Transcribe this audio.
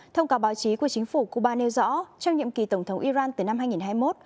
thông cáo báo chí của chính phủ cuba nêu rõ trong nhiệm kỳ tổng thống iran từ năm hai nghìn hai mươi một